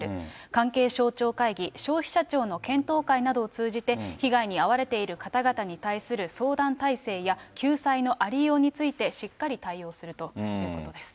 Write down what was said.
関係省庁会議、消費者庁の検討会などを通じて、被害に遭われている方々に対する相談体制や救済のありようについて、しっかり対応するということです。